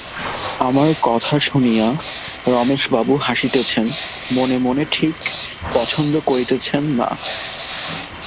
আমার কথা শুনিয়া রমেশবাবু হাসিতেছেন, মনে মনে ঠিক পছন্দ করিতেছেন না।